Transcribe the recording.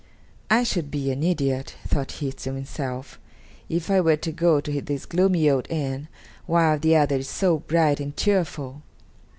"I should be an idiot," thought he to himself, "if I were to go to this gloomy old inn while the other is so bright and cheerful."